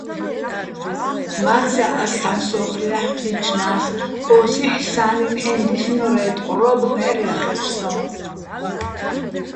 მაცაჼ ას სამსო́ხრი აჰ̦ო̆ ჴი́ჩნას; ო́სიჰ̦ე̆, სანი ნჵაჲნო̆ დისნორე́, ტყვრო́ბ ბჵარჲახერ სო́ჼ.